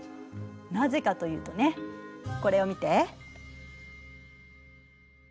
なぜかというとねこれを見て。